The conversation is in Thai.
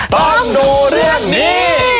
ต้องดูเรื่องนี้